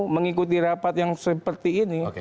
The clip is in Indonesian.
mengikuti rapat yang seperti ini